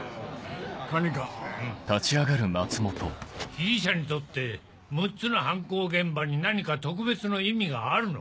被疑者にとって６つの犯行現場に何か特別の意味があるのか？